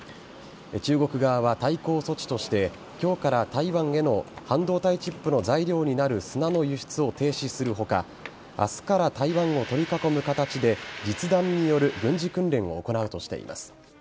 中国側は対抗措置として今日から台湾への半導体チップの材料になる砂の輸出を停止する他明日から、台湾を取り囲む形で実弾による軍事訓練を行うとしています。